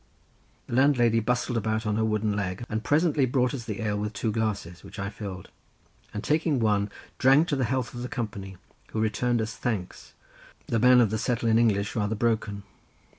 The landlady bustled about on her wooden leg and presently brought us the ale with two glasses, which I filled, and taking one, drank to the health of the company, who returned us thanks, the man of the settle in English rather broken.